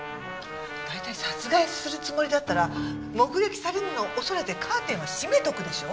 大体殺害するつもりだったら目撃されるのを恐れてカーテンは閉めとくでしょ。